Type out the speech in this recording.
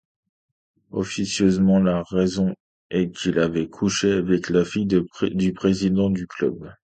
Officieusement, la raison est qu'il avait couché avec la fille du président du club.